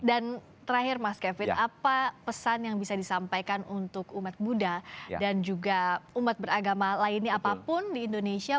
dan terakhir mas kevin apa pesan yang bisa disampaikan untuk umat muda dan juga umat beragama lainnya apapun di indonesia